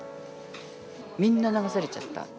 みんな流されちゃった。